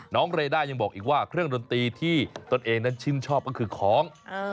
เรด้ายังบอกอีกว่าเครื่องดนตรีที่ตนเองนั้นชื่นชอบก็คือของ